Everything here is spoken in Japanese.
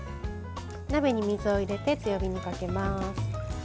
鍋に水を入れて、強火にかけます。